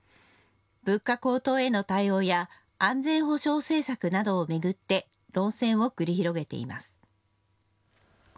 物価高騰への対応や安全保障政策などを巡って、論戦を繰り広げています。